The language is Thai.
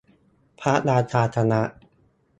พระราชาคณะ